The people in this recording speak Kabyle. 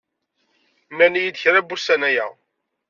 Nnan-iyi-d kra n wussan aya.